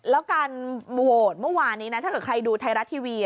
แล้วการโหวตเมื่อวานนี้นะถ้าเกิดใครดูไทยรัฐทีวี